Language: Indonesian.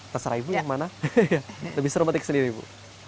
terserah ibu yang mana lebih seru petik sendiri ibu